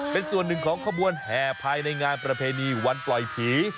เป็นส่วนหนึ่งของขบวนแห่ภายในงานประเพณีวันปล่อยผี